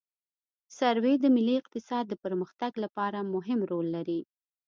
سروې د ملي اقتصاد د پرمختګ لپاره مهم رول لري